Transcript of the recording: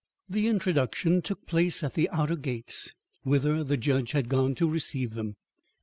The introduction took place at the outer gates whither the judge had gone to receive them.